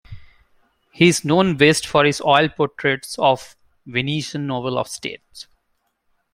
He is known best for his oil portraits of Venetian nobles of state.